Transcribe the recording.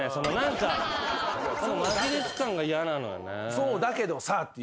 「そうだけどさ」っていう。